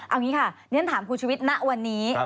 เอาอย่างนี้ค่ะถามผู้ชีวิตนะวันนี้